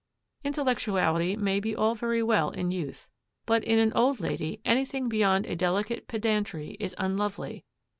Intellectuality may be all very well in youth, but in an old lady anything beyond a delicate pedantry is unlovely.